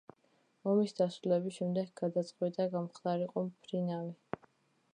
ომის დასრულების შემდეგ გადაწყვიტა გამხდარიყო მფრინავი.